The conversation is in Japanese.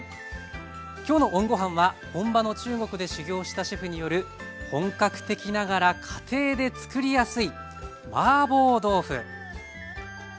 今日のＯＮごはんは本場の中国で修業したシェフによる本格的ながら家庭でつくりやすいマーボー豆腐。